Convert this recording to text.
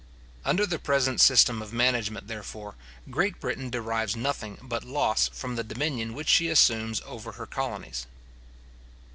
Under the present system of management, therefore, Great Britain derives nothing but loss from the dominion which she assumes over her colonies.